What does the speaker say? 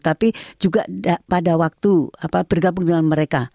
tapi juga pada waktu bergabung dengan mereka